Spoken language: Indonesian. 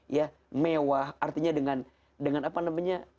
ya mewah artinya dengan apa namanya